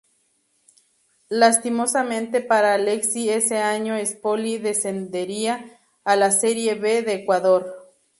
Lastimosamente para Alexi ese año Espoli descendería a la Serie B de Ecuador.